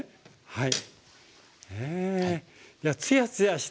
はい。